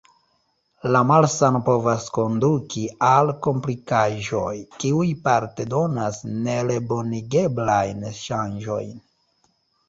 La malsano povas konduki al komplikaĵoj, kiuj parte donas nerebonigeblajn ŝanĝojn.